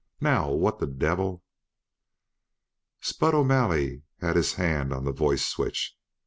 Now what the devil " Spud O'Malley had his hand on the voice switch.